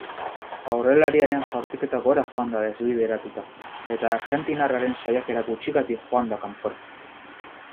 Aurrelariaren jaurtiketa gora joan da desbideratuta eta argentinarraren saiakera gutxigatik joan da kanpora.